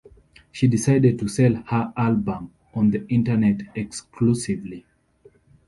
She decided to sell her album on the Internet exclusively.